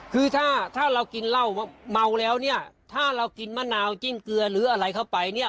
คือถ้าถ้าเรากินเหล้าเมาแล้วเนี่ยถ้าเรากินมะนาวจิ้นเกลือหรืออะไรเข้าไปเนี่ย